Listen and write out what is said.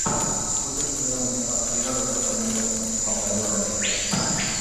بۇ تۆھپىلىرىڭىزنى ئاپتورلار ۋە ئوقۇرمەنلەر ئۇنتۇپ قالمايدۇ، ئەلۋەتتە.